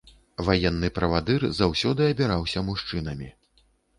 Ваенны правадыр заўсёды абіраўся мужчынамі.